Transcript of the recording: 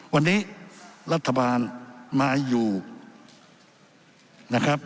วันนี้รัฐบาลมาอยู่นะครับ